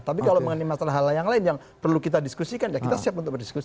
tapi kalau mengenai masalah hal yang lain yang perlu kita diskusikan ya kita siap untuk berdiskusi